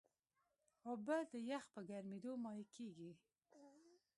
اوبه د یخ په ګرمیېدو مایع کېږي.